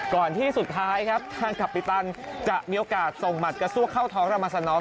ก่อนที่สุดท้ายครับทางคัปปิตันจะมีโอกาสส่งหมัดกระซวกเข้าท้องเรามาสนอง